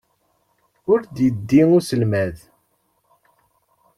Ur d-iddi uselmad.